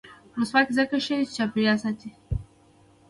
ولسواکي ځکه ښه ده چې چاپیریال ساتي.